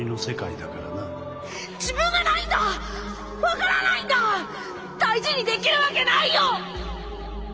自分がないんだわからないんだ大事にできるわけないよ。